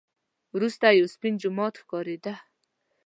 وروسته یو سپین جومات ښکارېده.